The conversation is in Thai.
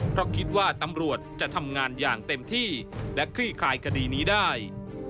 เพราะคิดว่าตำรวจจะทำงานอย่างเต็มที่และคลี่คลายคดีนี้ได้